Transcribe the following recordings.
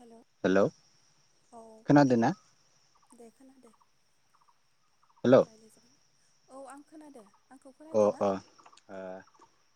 Hello औ खोनादों खोनादोंना दे खोनादो हेलौ रायलाय जागोन औ आं खोनादो आंखौ अ खोनादो ना अ ओ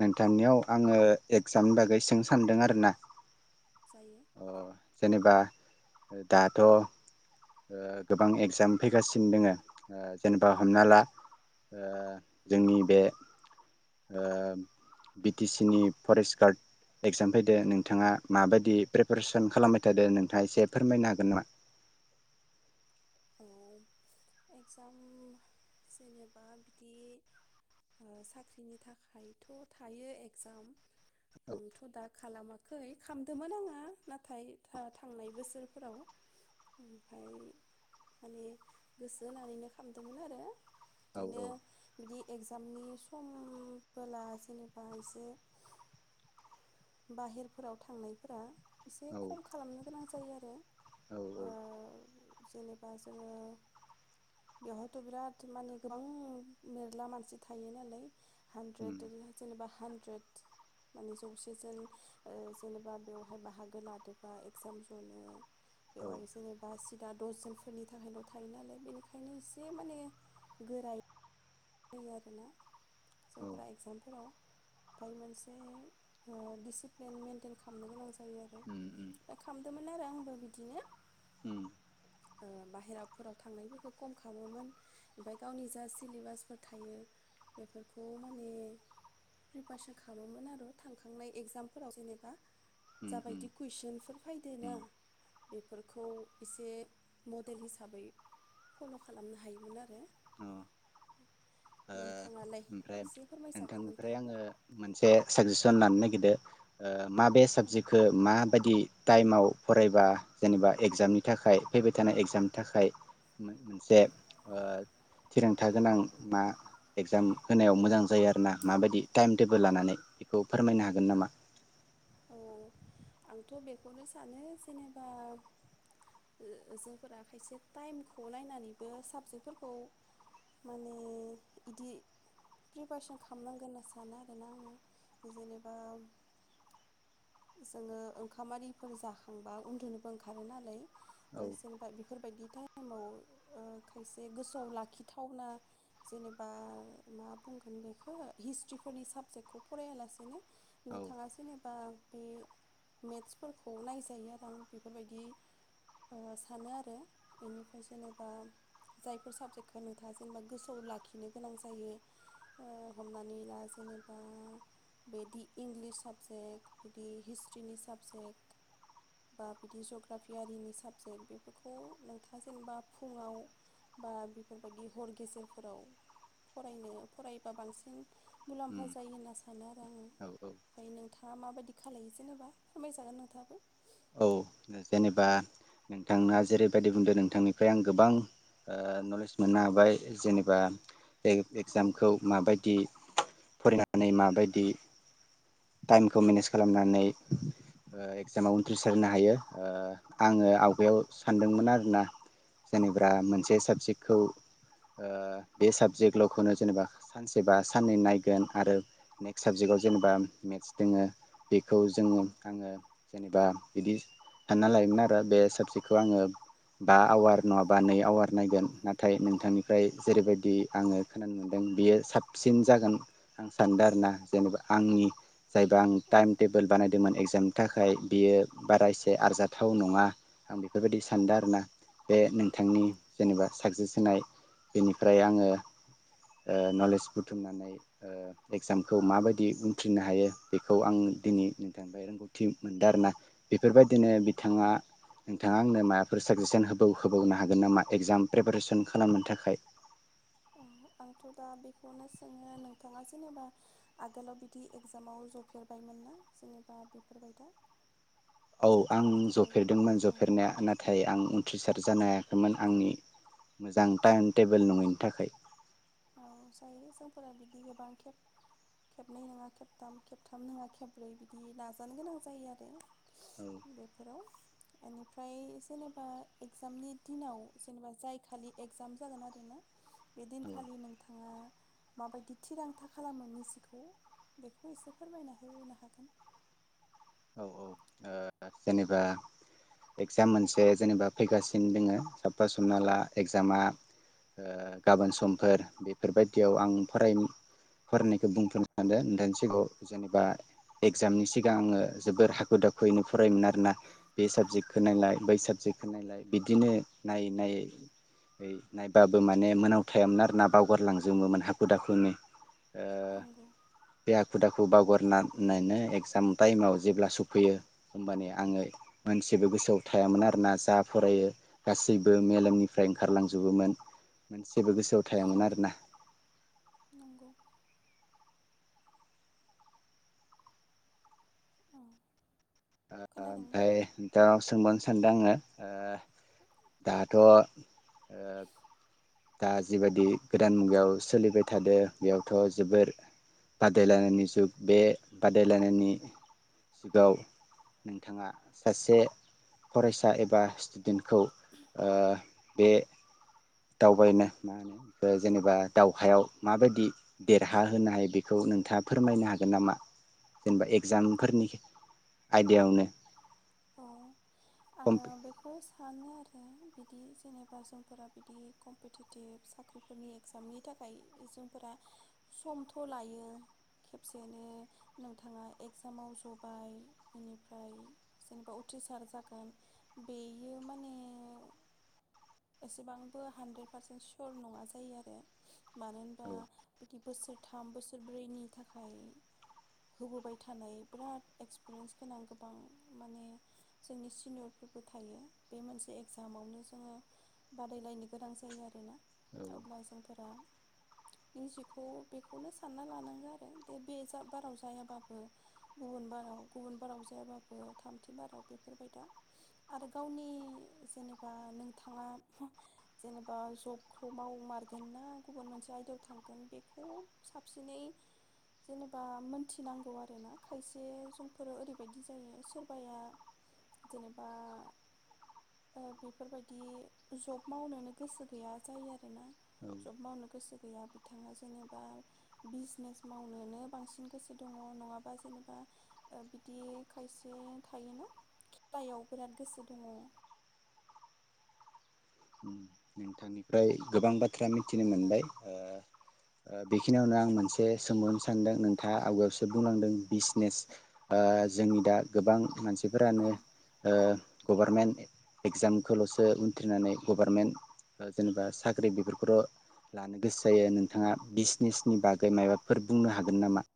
नोंथांनियाव आङो एकजामनि बागै सों सानदों आरो ना जायो जेनेबा दाथ' ओ गोबां एगजाम फैगासिनो दोङो जेनेबा हमना ला ओ जोंनि बे ओ बिटि सि नि फरेस्ट गार्ड एगजाम फायदो नोंथाङा माबायदि प्रिपारेसन खालामबाय थादो नोंथाङा एसे फोरमायनो हागोन नामा औ एगजाम जेनेबा बिदि ओ साख्रिनि थाखायथ' थायो इगजाम आंथ' दा खालामाखै खालामदोंमोन आङो नाथाय थांनाय बोसोरफोराव ओमफ्राय माने गोसो होनानैनो खामदोंमोन आरो औ बिदिनो बिदि एगजामनि सम बोला जेनेबा एसे बाहेरफोराव थांनायफोरा एसे औ खम खालामनो गोनां जायो आरो औ ओ जेनेबा जोङो बेवहथ' बिराद माने गोबां मेरला मानसि थायो नालाय हानद्रेद जेनेबा हानद्रेद माने जौसे जोन ओ जेनेबा बेवहाय बाहागो लादोंबा एगजाम जनो औ बेवहाय जेनेबा सिदा दसजोनफोरनि थाखायल' थायो नालाय बेनिखायनो एसे माने गोराय जायो आरोना औ जोंफोरा एगजामफोराव ओमफाय मोनसे ओ डिसिप्लिन मेइेनटेन खामनो गोनां जायो आरो उम उम ओमफ्राय खामदोंमोन आरो आंबो बिदिनो उम ओ बाहेराफोराव थांनायफोरखौ खम खालामोमोन ओमफाय गावनि जा सिलेबासफोर थायो बेफोरखौ माने प्रिपारेसन खालामोन आरो थांखांनाय एगजामफोराव जेनेबा उम उम जाबायदि कुइसनफोर फायदो ना उम बेफोरखौ एसे मडेल हिसाबै फल' खालामनो हायोमोन आरो अ ओ नोंथाङालाय ओमफ्राय एसे फोरमायजागोन नोंथांनिफ्राय नोंथाङाबो आङो मोनसे साजेस सन लानो नागिरदो ओ माबे साबजेकखो मा बायदि टाइमाव फरायबा जेनेबा एगजामनि थाखाय फैबाय थानाय एगजामनि थाखाय मोनसे ओ थिरांथा गोनां मा एगजाम होनायाव मोजां जायो आरो ना माबायदि टाइम टेबोल लानानै बेखौ फोरमायनो हागोन नामा औ आंथ' बेखौनो सानो जेनेबा जोंफोरा खायसे टाइमखौ नायनानैबो साबजेक्टफोरखौ माने इदि प्रिपारेसन खालामनांगोन होनना सानो आरोना आङो जेनेबा जोङो ओंखामारिफोर जाखांबा उन्दुनोबो ओंखारो नालाय औ जेनेबा बेफोरबायदि टाइमाव खायसे गोसोआव लाखिथावना जेनेबा मा बुंगोन बेखौ हिस्ट्रिफोरनि साबजेक्टखौ फरायालासेनो औ नोंथाङा जेनेबा बे मेथसफोरखौ नायजायो आरो आं बेफोरबायदि सानो आरो बेनिफ्राय जेनेबा जायफोर साबजेक्टखो नोंथाङा जेनेबा गोसोआव लाखिनो गोनां जायो ओ हमनानै ला जेनेबा बेदि इंलिस साबजेक्ट बिदि हिस्ट्रिनि साबजेक्ट बा बिदि जग्राफिआरिनि साबजेक्ट बेफोरखौ नोंथाङा जेनेबा फुङाव बा बेफोरबायदि हर गेजेरफोराव फरायनो फरायबा बांसिन उम मुलाम्फा जायो होनना सानो आरो आङो औ औ ओमफ्राय नोंथाङा माबायदि खालायो जेनेबा फोरमायजागोन नोंथाङाबो औ जेनेबा नोंथांना जेरैबायदि बुंदों नोंथांनिफ्राय आं गोबां ओ नलेज मोननो हाबाय जेनेबा एग औ एजामखौ माबायदि फरायनानै माबायदि टाइमखौ मेनेज खालामनानै ओ एक्जामाव उथ्रिसारनो हायो ओ आङो आवगायाव सानदोंमोन आरोना जेनेब्रा मोनसे साबजेक्टखौ ओ बे साबजेक्टल'खौनो जेनेबा सानसेबा साननै नायगोन आरो नेक्स्ट साबजेक्टआव जेनेबा मेथ्स दोङो बेखौ जोङो आङो जेनेबा बिदि सानना लायोमोन आरो बे साबजेक्खौ आङो बा आवार नङा बा नै आवार नायगोन नाथाय नोंथांनिफ्राय जेरैबायदि आङो खोनानो मोनदों बियो साबसिन जागोन आं सानदों आरो ना जेनेबा आंनि जायबा आं औ टाइम टेबोल बानायदोंमोन एगजाम थाखाय बियो बारा एसे आरजाथाव नङा आं बेफोरबायदि सानदों आरोना बे नोंथांनि जेनेबा साकसेस नाय बेनिफ्राय आङो ओ नलेज बुथुमनानै ओ एगजामखौ माबायदि उनथ्रिनो हायो बेखौ आं दिनै नोंथांनिफ्राय रोंगौथि मोनदों आरोना। बेफोरबायदिनो बिथाङा नोंथाङा आंनो माबाफोर साजेसन होबाव'होबावनो हागोन नामा एक्जाम प्रेपारेसन खालामनो थाखाय? औ आंथ' दा बेखौनो सोङो नोंथाङा जेनेबा आगोलाव बिदि एगजामाव जफेरबायमोन ना जेनेबा बेफोर बाय दा औ आं जफेरदोंमोन औ जफेरनाया नाथाय आं उथ्रिसार जानो हायाखैमोन आंनि मोजां टाइम टेबोल नङैनि थाखै। औ जायो जोंफोरा बिदि गोबां खेब खेबनै नङा खेबथाम खेबथाम नङा खेबब्रै बिदि नाजानो गोनां जायो आरो। औ बेफोराव बेनिफ्राय जेनेबा इगजामनि दिनाव जेनेबा जाय खालि एगजाम जागोन आरो ना बे दिन औ माबायदि थिरांथा खालामो निजिखौ बेखौ एसे फोरमायना होनो हागोन औ औ जेनेबा एगजाम मोनसे जेनेबा फैगासिनो दोङो साफह हमना ला एगजामा गाबोन समफोर बेफोरबायदियाव आं फराय फरायनायखौ बुंथ'नो सानदों नोंथानि सिगाङाव जेनेबा एगजामनि सिगां आङो जोबोर हाखु दाखुयैनो फरायोमोन आरोना बे साबजेक्टखौ नायलाय बै साबजेक्टखौ नायलाय बिदिनो नायै नायै नायबाबो माने मोनावथायामोन आरोना बावगारलांजोबोमोन हाखु दाखुनो [inaudible] बेे हाखुदाखु बावगारना नायनो एगजाम टाइमाव जेब्ला सफैयो होमबानिआ आङो मोनसेबो गोसोआव थायामोन आरोना जा फरायो गासैबो मेलेमनिफ्राय ओंखारलांजोबोमोन जेबो गोसोआव थायामोन जायो आरोना नंगौ औ ओ खोनादोंना ओमफ्राय नोंथांनाव सोंबावनसो सानदों आङो ओ दाथ' ओ दा जिबादि गोदान मुगायाव सोलिबाय थादो बेयावथ' जोबोर बादायलायनायनि जुग बे बादायलायनायनि जुगाव नोंथाङा सासे फरायसा एबा स्टुडेन्टखौ ओ बे दावबायनो ओ जेनेबा दावहायाव माबायदि देरहा होनोनो हायो बेखौ नोंथाङा फोरमायनो हागोन नामा जेनेबा एगजामफोरनि आयदायावनो आङो कमपि बेखौ थाङो आरो बिदि जेनेबा जोंफोरा बिदि कम्पिटिटिभ साख्रिफोरनि एक्जामनि थाखाय जोंफोरा समथ' लायो खेबसेयैनो नोंथाङा एगजामाव जबाय बेनिफ्राय जेनेबा उथ्रिसार जाग बेयो माने एसेबांबो हान्द्रेद पार्सेन्ट सियर नङा जायो आरो मानो होनबा औ बिदि बोसोरथाम बोसोरब्रैनि थाखाय होबोबाय थानाय बिराद एक्सपिरियेन्स गोनां गोबां माने जोंनि सिनियरफोरबो थायो बे मोनसे एगजामावनो जोङो बादायलायनो गोनां जायो आरोना औ अब्ला जोंफोरा निजिखौ बेखौनो सानना लानांगौ आरो दे बे बाराव जायाबाबो गुबुन बाराव गुबुन बाराव जायाबाबो थामथि बाराव बे दा आरो गावनि जेनेबा नोंथाङा जेनेबा जबखौ मावमारगोन ना गुबुन मोनसे आयदायाव थांगोन बेखौ साबसिनै जेनेबा मोनथिनांगौ आरोना खायसे जोंफोरो ओरैबायदि जायो सोरबाया जेनेबा ओ बेफोरबायदि जब मावनोनो गोसो गैया जायो आरोना औ जब मावनो गोसो गैया बिथाङा जेनेबा बिजनेस मावनोनो बांसिन गोसो दङ नङाबा जेनेबा बिदि खायसे थायोना खेलायाव बिराद गोसो दङ नोंथांनिफ्राय गोबां बाथ्रा मिथिनो मोनबाय ओ बेखिनियावनो आं मोनसे सोंहरनो सानदों नोंथाङा आवगायावसो बुंलांदों बिजनेस ओ जोंनि दा गोबां औ मानसिफोरानो ओ गभारनमेन्ट एगजामखौल'सो उथ्रिनानै गभारनमेन्ट ओ जेनेबा साख्रि बेफोरखौथ' लानो गोसो जायो नोंथाङा बिजनेसनि बागै माबाफोर बुंनो हागोन नामा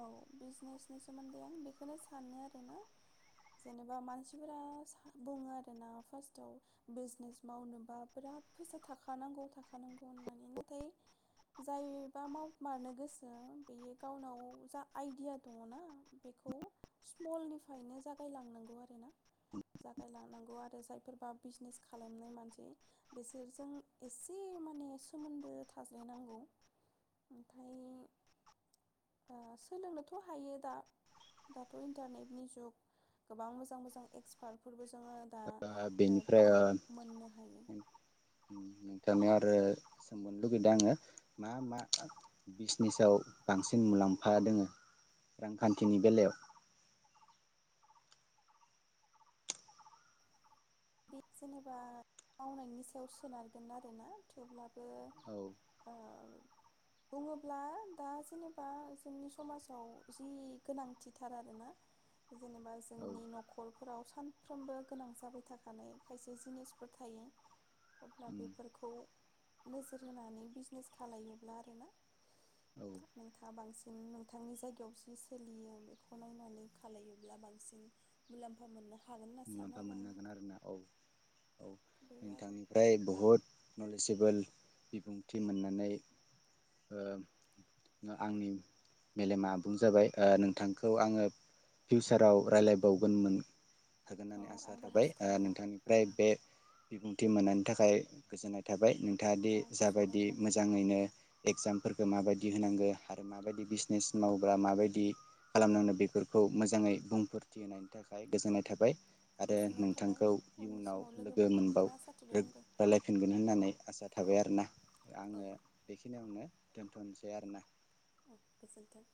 औ बिजनेसनि सोमोन्दै आं बेखौनो सानो आरोना जेनेबा मानसिफोरा बुङो आरोना फार्स्टआव बिजनेस मावनोबा बिराद फैसा थाखानांगौ थाखानांगौ होननानै नाथाय जायबा मावमारनो गोसो बेयो गावनाव जा आइडिया दङ ना बेखौ स्मलनिफ्रायनो जागायलांनांगौ आरोना जागायलांनांगौ आरो जायफोरबा बिजनेस खालामनाय मानसि बिसोरजों एसे माने सोमोन्दो थाज्लायनांगौ ओमफ्राय ओ सोलोंनोथ' हायो दा दाथ' इन्टारनेटनि जुग गोबां मोजां मोजां एक्सपार्टफोरबो जोङो दा बेनिफ्राय बिदि ओ मोननो हायो दानिया आरो सोंबावनो लुगैदों आङो मा मा बिजनेसाव बांसिन मुलाम्फा दोङो रांखान्थिनि बेलायाव बे जेनेबा मावनायनि सायाव सोनारगोन आरोना थेवब्लाबो औ ओ औ बुङोब्ला दा जेनेबा जोंनि समाजाव जि गोनांथिथार आरो ना जेनेबा औ जोंनि न'खरफोराव सानफ्रोमबो गोनां जाबाय था थानाय खायसे जिनिसफोर थायो अब्ला उम बेफोरखौ नोजोर होनानै बिजनेस खालामलायोब्ला आरो ना औ नोंथाङा बांसिन नोंथांनि जायगायाव जि सोलियो बेखौ नायनानै खालायोब्ला बांसिन मुलाम्फा मोननो हायो मुलाम्फा मोननो हागोन आरोना औ औ बे आरो नोंथांनिफ्राय बहुद नलेजेबोल बिबुंथि मोनानै ओ आंनि मेलेमा आबुं जाबाय ओ नोंथांखौ आङो फिउसाराव रायलायबावगोनमोन हागोन औ होननानै आसा आंबो थाबाय हास्थायो औ नोंथांनिफ्राय बे बिबुंथि मोननानै नि थाखाय गोजोननाय थाबाय नों नोंथाङादि औ गोजोननाय जाबायदि थाबाय मोजाङैनो एगजामफोरखौ माबायदि बिदि होनांगौ आरो माबायदि बिजनेस मावोब्रा माबायदि खालामनांगौ बेफोरखौ मोजाङै बुंफोरथि होनायनि थाखाय गोजोननाय थाबाय आरो गोजोननाय थाबाय नोंथांखौ उननि इयुनाव समाव लोगो मोनफिनखो मोनबाव आसा थिबाय आंबो रलायफिनगोन होननानै आसा थाबाय आरोना औ आङो बेखिनियावनो दोनथ'नोसै आरो ना गोजोन्थों